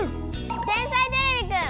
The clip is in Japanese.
「天才てれびくん」